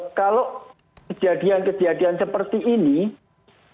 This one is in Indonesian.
penyumbang dari ras tertentu seperti ini kemudian dibandingkan juga dengan ras minoritas